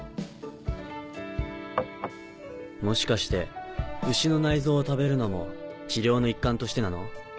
もしかして牛の内臓を食べるのも治療の一環としてなの？